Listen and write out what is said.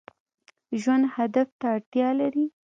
ژوند هدف ته اړتیا لري